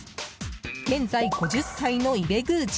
現在５０歳の伊部宮司。